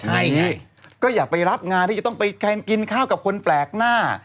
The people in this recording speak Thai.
อย่างนี้ก็อย่าไปรับงานที่จะต้องไปกินข้าวกับคนแปลกหน้า